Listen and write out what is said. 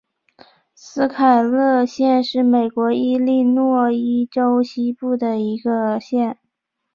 斯凯勒县是美国伊利诺伊州西部的一个县。